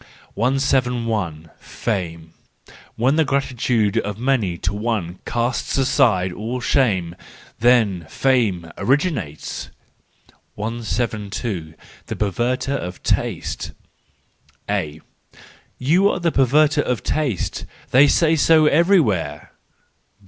i;i. Fame. —When the gratitude of many to one casts aside all shame, then fame originates. 172. The Perverterof Taste. —A: "You are a perverter of taste—they say so everywhere!